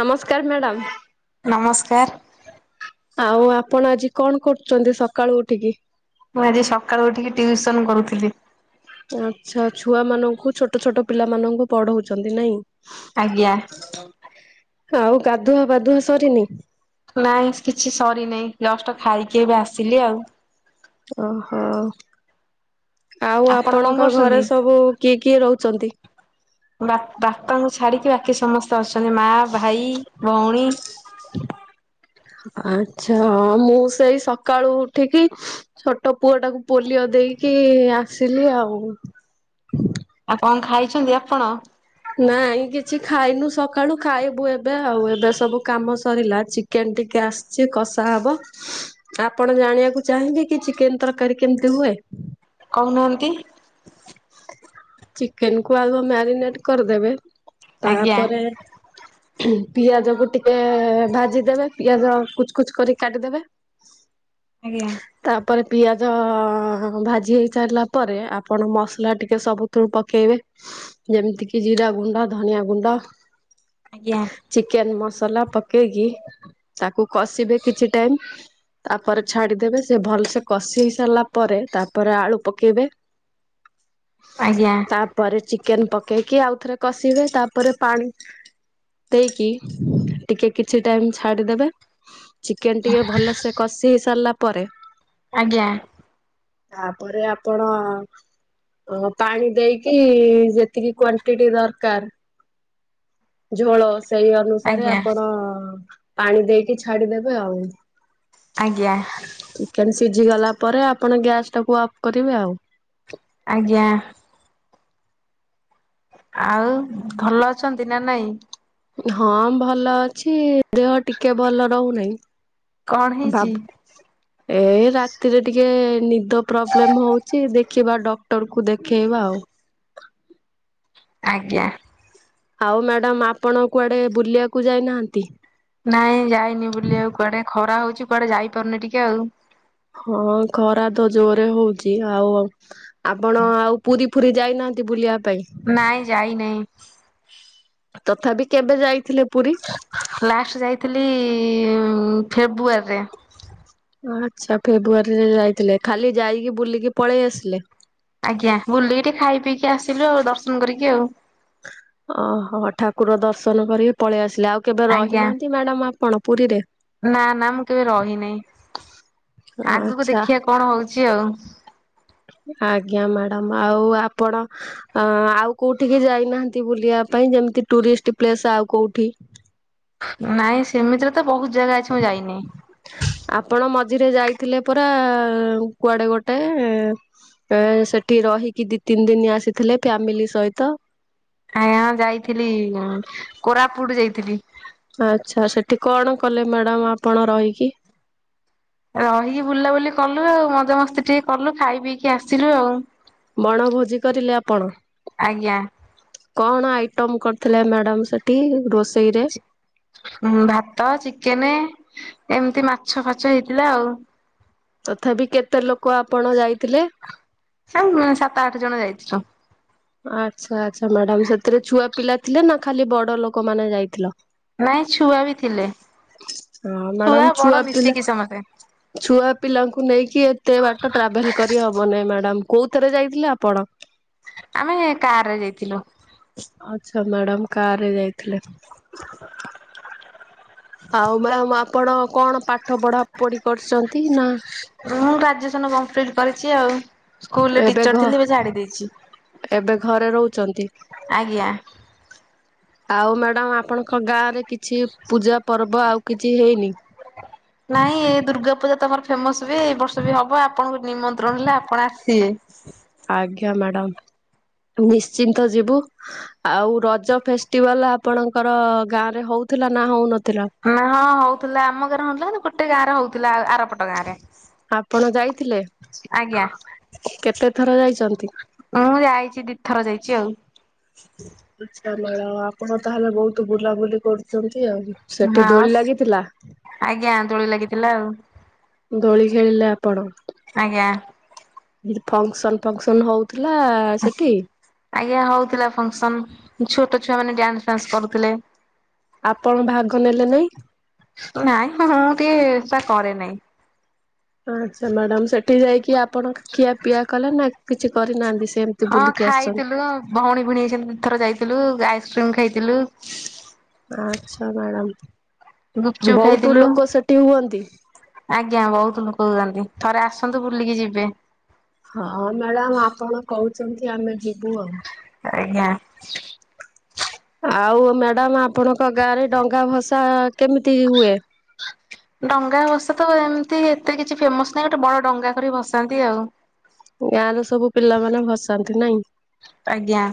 ନମସ୍କାର ମ୍ୟାଡ଼ାମ୍। ନମସ୍କାର। ଆଉ ଆପଣ ଆଜି କଣ କରୁଚନ୍ତି ସକାଳୁ ଉଠିକି। ମୁଁ ଆଜି ସକାଳୁ ଉଠିକି ଟିଉସନ କରୁଥିଲି। ଆଛା ଛୁଆ ମାନଙ୍କୁ ଛୋଟ ଛୋଟ ପିଲାମାନଙ୍କୁ ପଢଉଚନ୍ତି ନାଇଁ? ଆଜ୍ଞା। ଆଉ ଗାଧୁଆ ପାାଧୁଆ ସରିନି। ନାଇଁ କିଛି ସରିନେଇଁ ଜଷ୍ଟ ଖାଇକି ଏବେ ଆସିଲି ଆଉ। ଓହୋ। ଆଉ ଆପଣ କଣ ଆପଣଙ୍କ ଘରେ କରୁଛନ୍ତି? ସବୁ କିଏ କିଏ ରହୁଚନ୍ତି। ବା ବାପାଙ୍କୁ ଛାଡିକି ବାକି ସମସ୍ତେ ଅଛନ୍ତି ମା ଭାଇ ଭଉଣୀ। ଆଛା। ମୁଁ ସେଇ ସକାଳୁ ଉଠିକି ଛୋଟ ପୁଅ ଟାକୁ ପୋଲିଓ ଦେଇକି ଆସିଲି ଆଉ। ଆଉ କଣ ଖାଇଚନ୍ତି ଆପଣ? ନାଇଁ କିଛି ଖାଇନୁ ସକାଳୁ ଖାଇବୁ ଏବେ ଆଉ ଏବେ ସବୁ କାମ ସରିଲା ଚି କେନ ଟିକେ ଆସିଚି କଷା ହବ। ଆପଣ ଜାଣିବାକୁ ଚାହିଁବେ କି ଚିକେନ ତରକାରୀ କେମିତି ହୁଏ? କହୁନାହାନ୍ତି। ଚିକେନ କୁ ଆଗ ମ୍ୟାରିନେଟ କରିଦେବେ। ଆଜ୍ଞା ତାପରେ ପିଆଜ କୁ ଟିକେ ଭାଜିଦେବେ ପିଆଜ କୁଚ କଚ କର କାଟିିଦେବେ। ଆଜ୍ଞା। ତାପରେ ପିଆଜ ଭାଜି ହେଇ ସାରିଲା ପରେ ଆପଣ ମସ ଲା ଟିକେ ସବୁଥିରୁ ପକେଇବେ ଯେମିତି କି ଜିରା ଗୁଣ୍ଡ ଧନିଆ ଗୁଣ୍ଡ ଆଜ୍ଞା। ଚିକେନ୍ ମସଲା ପକେଇକି ତାକୁ କଷିବେ କିଛି ଟାଇମ୍। ତାପରେ ଛାଡିଦେବେ ସେ ଭଲ୍ ସେ କଷି ହେଇ ସାରିଲା ପରେ ତାପରେ ଆଳୁ ପକେଇବେ ଆଜ୍ଞା। ତାପରେ ଚିକେନ୍ ପକେଇକି ଆଉ ଥରେ କଷିବେ ତାପରେ ପାଣି ଦେଇକି ଟିକେ କିଛି ଟାଇମ୍ ଛାଡ଼ିଦେବେ ଚିକେନ୍ ଟିକେ ଭଲସେ କଷି ହେଇ ସାରିଲା ପରେ ଆଜ୍ଞା। ତାପରେ ଆପଣ ପାଣି ଦେଇକି ଯେତିକି କ୍ଵାଣ୍ଟିଟି ଦରକାର ଝୋଳ ସେଇ ଅନୁସାରେ ଆଜ୍ଞା ଆପଣ ପାଣି ଦେଇକି ଛାଡି ଦେବେ ଆଉ। ଆଜ୍ଞା। ଚିକେନ୍ ସିଝି ଗଲା ପରେ ଆପଣ ଗ୍ୟାସ୍ ଟାକୁ ଅଫ୍ କରିବେ ଆଉ। ଆଜ୍ଞା। ଆଉ ଭଲ ଅଛନ୍ତି ନା ନାଇଁ? ହଁ ଭଲ ଅଛି ଦେହ ଟିକେ ଭଲ ରହୁନେହିଁ। କଣ ହେଇଛି? ବାବୁ ଏ ରାତିରେ ଟିକେ ନିଦ ପ୍ରୋବ୍ଲେମ୍ ହୋଉଛି ଦେଖିବା ଡକ୍ଟର ଙ୍କୁ ଦେଖେଇବା ଆଉ। ଆଜ୍ଞା। ଆଉ ମ୍ୟାଡ଼ାମ୍ ଆପଣ କୁଆଡେ ବୁଲିବାକୁ ଯାଇ ନାହାନ୍ତି? ନାଇଁ ଯାଇନି ବୁଲିବାକୁ କୁଆଡେ ଖରା ହଉଛି କୁଆଡେ ଯାଇ ପାରୁନି ଟିକେ ଆଉ। ହଁ ଖରା ତ ଜୋର୍ ରେ ହୋଉଛି ଆଉ ଆପଣ ଆଉ ପୁରୀ ଫୁରୀ ଯାଇ ନାହାନ୍ତି ବୁଲିବା ପାଇଁ? ନାଇଁ ଯାଇ ନେଇଁ। ତଥାପି କେବେ ଯାଇଥିଲେ ପୁରୀ? ଲାଷ୍ଟ୍ ଯାଇଥିଲି ଫେବୃଆରୀରେ। ଆଚ୍ଛା। ଫେବୃଆରୀରେ ଯାଇଥିଲେ ଖାଲି ଯାଇକି ବୁଲିକି ପଳେଇ ଆସିଲେ? ଆଜ୍ଞା ବୁଲିକି ଟିକେ ଖାଇ ପିଇକି ଆସିଲୁ ଆଉ ଦର୍ଶନ କରିକି ଆଉ। ଅ ହଁ ଠାକୁର ଦର୍ଶନ କରିକି ପଳେଇ ଆସିଲେ ଆଉ କେବେ ଆଜ୍ଞା। ରହିନାହାନ୍ତି ମ୍ୟାଡ଼ାମ୍ ଆପଣ ପୁରୀରେ? ନା ନା ମୁଁ କେବେ ରହିନେ଼ଇ ଆଗକୁ ଆଚ୍ଛା ଦେଖିବା କଣ ହଉଛି ଆଉ। ଆଜ୍ଞା ମ୍ୟାଡ଼ାମ୍ ଆଉ ଆପଣ ଅ ଆଉ କୋଉଠିିକି ଯାଇନାହାନ୍ତି ବୁଲିବା ପାଇଁ ଯେମତି ଟୁରିଷ୍ଟ୍ ପ୍ଲେସ୍ ଆଉ କୋଉଠି? ନାଇଁ ସେମିତିରେ ତ ବୋହୁତ୍ ଜାଗା ଅଛି ମୁଁ ଯାଇନି। ଆପଣ ମଝିରେ ଯାଇଥିଲେ ପରା କୁଆଡେ ଗୋଟେ? ଏ ସେଠି ରହିକି ଦି ତିନି ଦିନ୍ ଆସିଥିଲେ ଫ୍ୟାମିଲି ସହିତ। ଆଜ୍ଞା ଯାଇଥିଲି କୋରାପୁଟ୍ ଯାଇଥିଲି। ଆଚ୍ଛା ସେଠି କଣ କଲେ ମ୍ୟାଡ଼ାମ୍ ଆପଣ ରହିକି? ରହିକି ବୁଲାବୁଲି କଲୁ ଆଉ ମଜା ମସ୍ତି ଟିକେ କଲୁ ଖାଇ ପିଇକି ଆସିଲୁ ଆଉ। ବଣଭୋଜି କରିଲେ ଆପଣ? ଆଜ୍ଞା। କଣ ଆଇଟମ୍ କରିଥିଲେ ମ୍ୟାଡାମ୍ ସେଠି ରୋଷେଇରେ? ହଁ ଭାତ ଚିକେନ୍ ଏମିତି ମାଛ ଫାଛ ହେଇଥିଲା ଆଉ। ତଥାପି କେତେ ଲୋକ ଆପଣ ଯାଇଥିଲେ? ସେଇ ସାତ ଆଠ ଜଣ ଯାଇଥିଲୁ। ଆଚ୍ଛା ଆଚ୍ଛା ମ୍ୟାଡାାମ୍ ସେଥିରେ ଛୁଆ ପିଲା ଥିଲେ ନା ଖାଲି ବଡ଼ ଲୋକମାନେ ଯାଇଥିଲ? ନାଇଁ ଛୁଆ ବି ଥିଲେ ହଁ ମ୍ୟାଡାମ ଛୁଆ ବଡ଼ ପିଲା ମିଶିକି ସମସ୍ତେ। ଛୁଆ ପିଲାଙ୍କୁ ନେଇକି ଏତେ ବାଟ ଟ୍ରାଭେଲ୍ କରି ହବନେଇଁ ମ୍ୟାଡ଼ାମ୍ କୋଉ ଥେରେ ଯାଇଥିଲେ ଆପଣ? ଆମେ କାର୍ ରେ ଯାଇଥିଲୁ। ଆଚ୍ଛା ମ୍ୟାଡ଼ାମ୍ କାର୍ ରେ ଯାଇଥିଲେ। [unintelligible] ଆଉ ଆପଣ କଣ ପାଠ ପଢା ପଢି କରିଛନ୍ତି ନା ମୁଁ ଗ୍ରାଜୁଏସନ କମ୍ପ୍ଲିଟ କରିଛି ଆଉ ସ୍କୁଲରେ ଟିଚର ଥିଲି ଏବେ ଛାଡି ଦେଇଛି। ଏବେ ଘରେ ରହୁଛନ୍ତି। ଆଜ୍ଞା। ଆଉ ମ୍ୟାଡ଼ାମ ଆପଣଙ୍କ ଗାଁ ରେ କିଛି ପୂଜା ପର୍ବ ଆଉ କିଛି ହେଇନି। ନାଇଁ ଏ ଦୁର୍ଗାପୂଜା ତମର ଫେମସ ବି ଏଇ ବର୍ଷ ବି ହବ ଆପଣଙ୍କୁ ନିମନ୍ତ୍ରଣ ହେଲେ ଆପଣ ଆସିବେ। ଆଜ୍ଞା ମ୍ୟାଡାମ ନିଶ୍ଚିନ୍ତ ଯିବୁ। ଆଉ ରଜ ଫେଷ୍ଟିଭାଲ ଆପଣଙ୍କର ଗାଁ ରେ ହଉଥିଲା ନା ହଉନଥିଲା। ନା ହଁ ହଉଥିଲା ଆମ ଗାଁରେ ହଉ ନଥିଲା ଗୋଟେ ଗାଁରେ ହଉଥିଲା ଆରପଟ ଗାଁ ରେ। ଆପଣ ଯାଇଥିଲେ ଆଜ୍ଞା। କେତେ ଥର ଯାଇଛନ୍ତି। ମୁଁ ଯାଇଛି ଦି ଥର ଯାଇଛି ଆଉ। [inaudible] ଆଛା ମ୍ୟାଡ଼ମ ଆପଣ ତାହେଲେ ବହୁତ ବୁଲାବୁଲି କରୁ ଚନ୍ତି ଆଉ ସେଠି ଦୋଳି ହଁ। ଲାଗିଥିଲା। ଆଜ୍ଞା ଦୋଳି ଲାଗିଥିଲା ଆଉ। ଦୋଳି ଖେଳିଲେ ଆପଣ। ଆଜ୍ଞା। ଫଙ୍କସନ ଫଙ୍କସନ ହଉଥିଲା ସେଠି। ଆଜ୍ଞା ହଉଥିଲା ଫଙ୍କସନ ଛୋଟ ଛୁଆ ମାନେ ଡ୍ୟାନ୍ସ ଫାନ୍ସ କରୁଥିଲେ। ଆପଣ ଭାଗ ନେଲେ ନାଇଁ। ନାଇଁ ମୁଁ ଟିକେ ସା କରେ ନାଇଁ।। ଆଚ୍ଛା ମ୍ୟାଡାାମ ସେଠି ଯାଇକି ଆପଣ ଖିଆ ପିଆ କଲେ ନା କିଛି କରିନାହାନ୍ତି ସେମତି ହଁ ଖାଇଥିଲୁ ଭଉଣୀ ଭିଣୀ ସ ଦି ଥର ଯାଇଥିଲୁ ଆଇସ୍କ୍ରିମ ଖାଇଥିଲୁ। ଆଛା ମ୍ୟାଡାମ ଗୁପଚୁପ ବହୁତ ଖାଇଥିଲୁ। ଲୋକ ସେଠି ହୁଅନ୍ତି। ଆଜ୍ଞା ବହୁତ ଲୋକ ହୁଅନ୍ତି ଥରେ ଆସନ୍ତୁ ବୁଲିକି ଯିବେ। ହଁ ମ୍ୟାଡାମ ଆପଣ କହୁଛନ୍ତି ଆମେ ଯିବୁ ଆଉ। ଆଜ୍ଞା। ଆଉ ମ୍ୟାଡାାମ ଆପଣଙ୍କ ଗାଁ ରେ ଡଙ୍ଗା ଭସା କେମିତି ହୁଏ। ଡଙ୍ଗା ଭସା ତ ଏମିତି ଏତେ କିଛି ଫେମସ ନାହିଁ ଗୋଟେ ବଡ ଡଙ୍ଗା କରିିକି ଭସାନ୍ତି ଆଉ। ଗାଁ ର ସବୁ ପିଲାମାନେ ଭସାନ୍ତି ନାଇଁ। ଆଜ୍ଞା।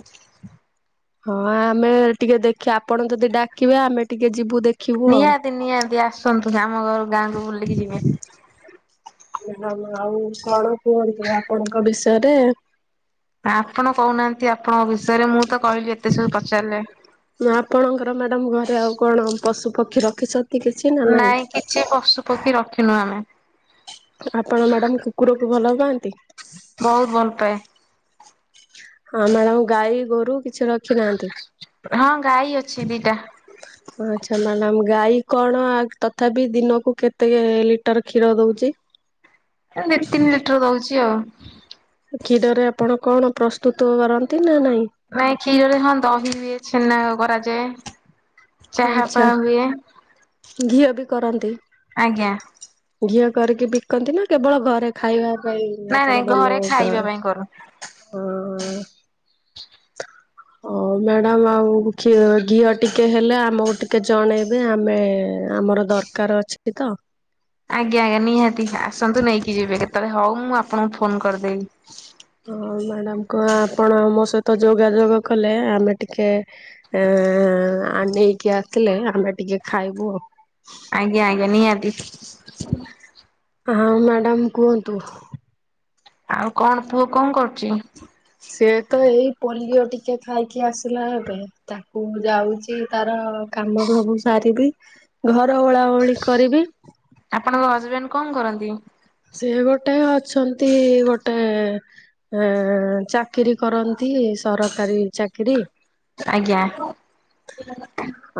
ହଁ ଆମେ ଟିକେ ଦେଖି ଆପଣ ଯଦି ଡାକିବେ ଆମେ ଟିକେ ଯିବୁ ଦେଖ ନିହାତି ନିହାତି ଆସନ୍ତୁ ଆମ ଘର ଗାଁକୁ ବୁଲିକି ଯିବେ। ମ୍ୟାଡ଼ାମ ଆଉ କଣ କୁହନ୍ତୁ ଆପଣଙ୍କ ବିଷୟରେ। ଆପଣ କହୁନାହାନ୍ତି ଆପଣଙ୍କ ବିଷୟରେ ମୁଁ ତ କହିଲି ଏତେ ସବୁ ପଚାରିଲେ। ନା ଆପଣଙ୍କର ମ୍ୟାଡ଼ାମ ଘରେ ଆଉ କଣ ପଶୁ ପକ୍ଷୀ ରଖିଛନ୍ତି କିଛି ନା ନାଇଁ। କିଛି ପଶୁପକ୍ଷୀ ରଖିନୁ ଆମେ। ଆପଣ ମ୍ୟାଡାମ କୁକୁରକୁ ଭଲ ପାଆନ୍ତି। ବହୁତ ଭଲ ପାଏ। ହଁ ମ୍ୟାଡ଼ାମ ଗାଈ ଗୋରୁ କିଛି ରଖି ନାହାନ୍ତି। ହଁ ଗାଈ ଅଛି ଦିଟା। ଓ ଆଚ୍ଛା ମ୍ୟାଡାମ ଗାଈ କଣ ତଥାପି ଦିନକୁ କେତେ ଲିଟର କ୍ଷୀର ଦଉଛି। [inaudible] ଏ ଦି ତିନି ଲିଟର ଦଉଛି ଆଉ। କ୍ଷୀର ରେ ଆପଣ କଣ ପ୍ରସ୍ତୁତ କରନ୍ତି ନା ନାଇଁ। ନାଇଁ କ୍ଷୀରରେ ହଁ ଦହି ଇଏ ଛେନା କରାଯାଏ। ଚାହା ଆଛା ଫାହା ହୁଏ ଘିଅ ବି କରନ୍ତି। ଆଜ୍ଞା। ଘଝିଅ କରିକି ବିକନ୍ତି ନା କେବଳ ଘରେ ଖାଇବା ପାଇଁ ନାଇଁ ନାଇଁ ଆପଣ ଘରେ ବନଉଚ ଖାଇବା ପାଇଁ କରୁ। ହଁ। [inaudible] ହଉ ମ୍ୟାଡାମ ଆଉ ଘିଅ ଘିଅ ଟିକେ ହେଲେ ଆମକୁ ଟିକେ ଜଣେଇବେ ଆମେ ଆମର ଦରକାର ଅଛି କିତ ଆଜ୍ଞା ଆଜ୍ଞା ନିହାତି ଆସନ୍ତୁ ନେଇକି ଯିବେ କେତେବେଳେ ହଉ ମୁଁ ଆପଣଙ୍କୁ ଫୋନ କରିଦେବି ହଁ ମ୍ୟାଡ଼ାମ କଣ ଆପଣ ଆମ ସହିତ ଯୋଗାଯୋଗ କଲେ ଆମେ ଟିକେ ହ ଆ ନେଇକି ଆସିଲେ ଆମେ ଟିକେ ଖାଇବୁ ଆଉ ଆଜ୍ଞା ଆଜ୍ଞା ନିହାତି ହଁ ମ୍ୟାଡ଼ାମ କୁହନ୍ତୁ ଆଉ କଣ ପୁଅ କଣ କରୁଛି? ସିଏ ତ ଏଇ ପୋଲିଓ ଟିକେ ଖାଇକି ଆସିଲା ଏବେ ତାକୁ ଯାଉଛି ତାର କାମ ସବୁ ସାରିବି ଘର ଓଳାଓଳି କରିବି ଆପଣଙ୍କ ହଜବେଣ୍ଡ କଣ କରନ୍ତି? ସେ ଗୋଟେ ଅଛନ୍ତି ଗୋଟେ ଏ ଚାକିରୀ କରନ୍ତି ସରକାରୀ ଚାକିରୀ ଆଜ୍ଞା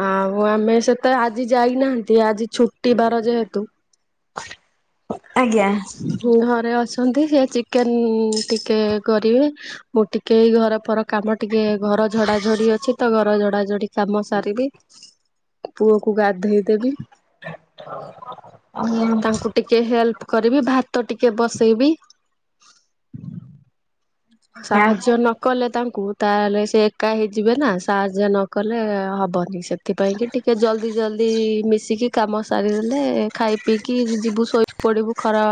ଆଉ ଆମେ ସେତ ଆଜି ଯାଇନାହାନ୍ତି ଆଜି ଛୁଟିବାର ଯେହେତୁ ଆଜ୍ଞା ହୁ ଘରେ ଅସନ୍ତି ସେ ଚିକେନ୍ ଟିକେ କରିବେ ମୁଁ ଟିକେ ଏୟୀ ଘର ଫର କାମ ଟିକେ ଘର ଝଡାଝଡି ଅଛି ତ ଘର ଝଡାଝଡି କାମ ସାରିବି ପୁଅକୁ ଗାଧେଇ ଦେବି ତାଙ୍କୁ ଆଜ୍ଞା ଟିକେ ହେଲ୍ପ କରିବି ଭାତ ଟିକେ ବସେଇବି ଆଜ୍ଞା ସାହାଯ୍ୟ ନ କଲେ ତାଙ୍କୁ ତାହେଲେ ସେ ଏକା ହେଇଯିବେ ନା ସାହାଯ୍ୟ ନ କଲେ ହେବନି ସେ ସେଥିପାଇଁ କି ଟିକେ ଜଲ୍ଦି ଜଲଦି ମିଶିକି କାମ ସାରିଦେଲେ ଖାଇ ପିଇକି ଯିବୁ ଶୋଇ ପଡିବୁ ଖରା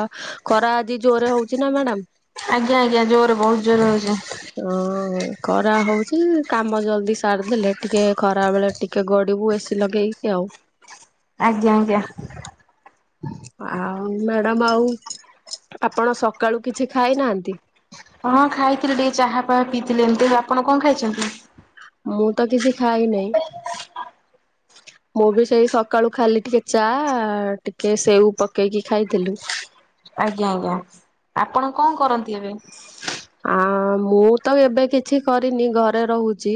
ଖରା ଆଜି ଜୋରେ ହଉଛି ଚିନା ମ୍ୟାଡ଼ାମ ଆଜ୍ଞା ଆଜ୍ଞା ଜୋର ବହୁତ ଜୋର ହଉଛି ହଁ ହ ଖରା ହଉଛି କାମ ଜଲ୍ଦି ସାରିଦେଲେ ଟିକେ ଖରା ବେଳେ ଟିକେ ଗଡିବୁ ଏ ସି ଲଗେଇକି ଆଉ [inaudible] ଆଜ୍ଞା ଆଜ୍ଞା [inaudible] ଆଉ ମ୍ୟାଡାମ ଆଉ ଆପଣ ସକାଳୁ କିଛି ଖାଇନାହାନ୍ତି? ହଁ ଖାଇଥିଲେ ଟିକେ ଚାହା ଫହା ପିଇଥିଲେ ଏମିତି ଆପଣ କଣ ଖାଇଛନ୍ତି? ମୁଁ ତ କିଛି ଖାଇନାଇଁ ମୁଁ ବି ସେଇ ସକାଳୁ ଖାଲି ଟିକେ ଚା ଟିକେ ସେଉ ପକେଇକି ଖାଇଥିଲି ଆଜ୍ଞା ଆଜ୍ଞା ଆପଣ କଣ କରନ୍ତି ଏବେ? ଆ ମୁଁ ତ ଏବେ କିଛି କରିନି ଘରେ ରହୁଛି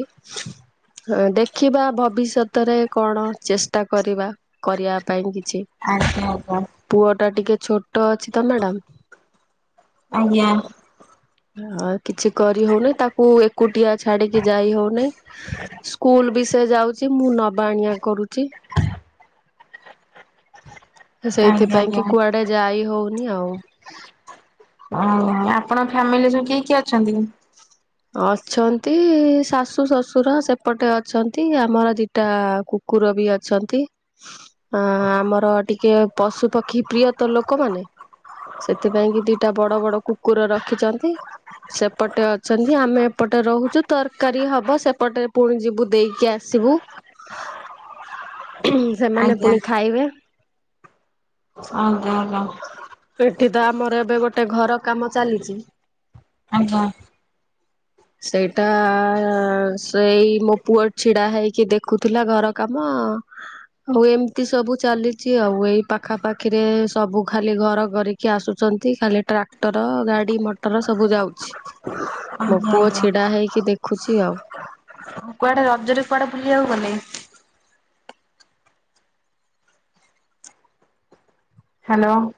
ହ ଦେଖିବା ଭବିଷ୍ୟତରେ କଣ ଚେଷ୍ଟା କରିବା କରିବା ପାଇଁ କିଛି ଆଜ୍ଞା ଆଜ୍ଞ ପୁଅ ଟା ଟିକେ ଛୋଟ ଅଛି ତ ମ୍ୟାଡ଼ାମ ଆଜ୍ଞା ହ କିଛି କରି ହଉନାଇଁ ତାକୁ ଏକୁଟିଆ ଛାଡିକି ଯାଇ ହଉନାଇଁ ସ୍କୁଲ ବି ସେ ଯାଉଛି ମୁଁ ନବା ଆଣିବା କରୁଛି ଆଜ୍ଞା ସେଇଥିପାଇଁ ଆଜ୍ଞା। କି କୁଆଡେ ଯାଇ ହଉନି ଆଉ ଆଉ ଆପଣ ଫ୍ୟାମିଲି ରେ ସବୁ କିଏ କିଏ ଅଛନ୍ତି? ଅଛନ୍ତି ଶାଶୁ ଶଶୁର ସେପଟେ ଅଛନ୍ତି ଆମର ଦିଟା କୁ କୁର ବି ଅଛନ୍ତି। ଅଁ ଆମର ଟିକେ ପଶୁପକ୍ଷୀ ପ୍ରିୟ ତ ଲୋକମାନେ ସେଥିପାଇଁକି ଦିଟା ବଡ ବଡ କୁକୁର ରଖିଛନ୍ତି। ସେପଟେ ଅ ଛନ୍ତି ଆମେ ଏପଟେ ରହୁଛୁ। ତରକାରୀ ହବ, ସେପଟେ ପୁଣି ଯିବୁ ଦେଇକି ଆସିବୁ। [inaudible] [inaudible] ସେମାନେ ପୁଣି ଖାଇବେ ଆଜ୍ଞା ଆଜ୍ଞା। ଏଠି ତ ଆମର ଏବେ ଗୋଟେ ଘର କାମ ଚାଲିଛି ଆଜ୍ଞା। [inaudible] ସେଇଟା ଆ ସେଇ ମୋ ପୁଅ ଛିଡା ହେଇକି ଦେଖୁଥିଲା ଘର କାମ ଅ ଆଉ ଏମତି ସବୁ ଚାଲିଚି ଆଉ। ଏଇ ପାଖାପାଖିରେ ସବୁ ଖାଲି ଘର କରିକି ଆସୁଛନ୍ତି, ଖାଲି ଟ୍ରାକ୍ଟର, ଗାଡି ମଟର ସବୁ ଯାଉଛି। ମୋ ଆଜ୍ଞା ପୁଅ ଆଜ୍ଞା। ଛିଡ଼ା ହେଇକି ଦେଖୁଛି ଆଉ। କୁଆଡେ ରଜରେ କୁଆଡେ ବୁଲିଆକୁ ଗଲେ? ହ୍ୟାଲୋ।